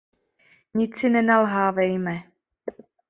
Nic si nenalhávejme.